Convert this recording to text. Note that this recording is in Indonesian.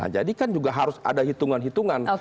jadi kan juga harus ada hitungan hitungan